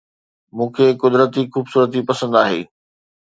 مون کي قدرتي خوبصورتي پسند آهي